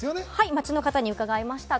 街の方に伺いました。